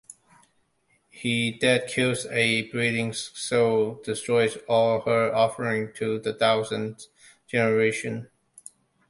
He that kills a breeding sow, destroys all her offspring to the thousandth generation.